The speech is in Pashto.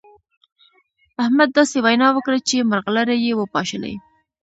احمد داسې وينا وکړه چې مرغلرې يې وپاشلې.